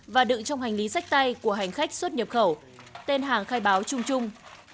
và đựng trong hành lý sách tay của hành khách xuất nhập khẩu tên hàng khai báo chung chung